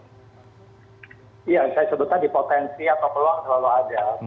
ya saya sebutkan di potensi atau peluang selalu ada